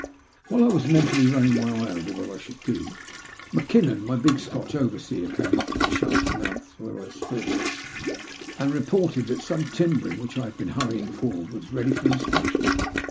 "While I was mentally running my eye over what I should do, Mackinnon, my big Scotch overseer, came up from the shaft's mouth to where I stood, and reported that some timbering which I had been hurry ing forward was ready for inspection.